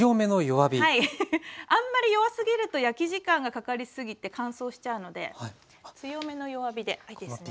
あんまり弱すぎると焼き時間がかかりすぎて乾燥しちゃうので強めの弱火でいいですね。